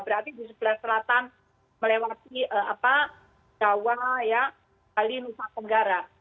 berarti di sebelah selatan melewati jawa bali nusa tenggara